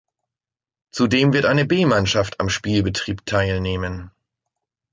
Zudem wird eine B-Mannschaft am Spielbetrieb teilnehmen.